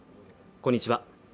こんにちは